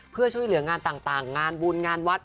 เพื่อช่วยเหลืองานต่างงานบุญงานวัด